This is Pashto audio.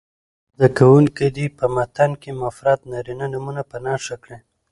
زده کوونکي دې په متن کې مفرد نارینه نومونه په نښه کړي.